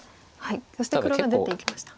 そして黒が出ていきました。